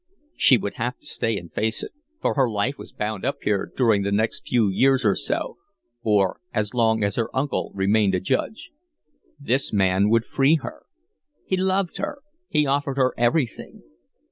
She would have to stay and face it, for her life was bound up here during the next few years or so, or as long as her uncle remained a judge. This man would free her. He loved her; he offered her everything.